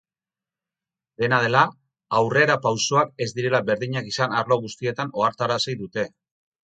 Dena dela, aurrerapausoak ez direla berdinak izan arlo guztietan ohartarazi dute.